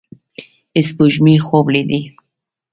سپوږمۍ خوب لیدې